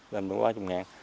thì mình cũng có ba mươi ngàn